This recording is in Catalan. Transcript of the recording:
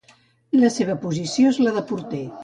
La seva posició és la de porter.